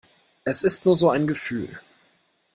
Es ist nur so ein Gefühl.